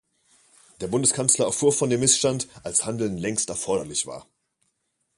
Der Bundeskanzler erfuhr von dem Missstand, als Handeln längst erforderlich war.